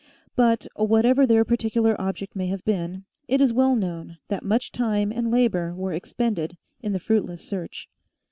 But whatever their particular object may have been, it is well known that much time and labor were expended in the fruitless search.